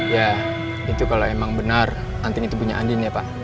ya itu kalau emang benar andin itu punya andin ya pak